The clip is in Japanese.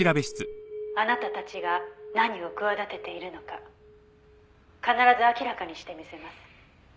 「あなたたちが何を企てているのか必ず明らかにしてみせます」